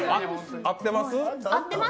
合ってます！